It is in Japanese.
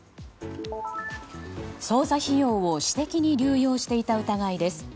捜査費用を私的に流用していた疑いです。